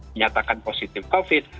menyatakan positif covid